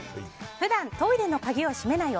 普段、トイレの鍵を閉めない夫。